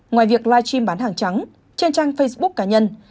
ngoài việc live stream bán hàng trắng trên trang facebook cá nhân